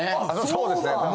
そうですね。